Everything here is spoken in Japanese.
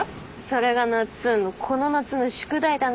それがなっつんのこの夏の宿題だね。